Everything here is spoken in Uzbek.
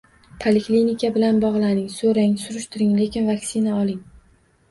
Poliklinika bilan bogʻlaning, soʻrang-surishtiring, lekin vaksina oling.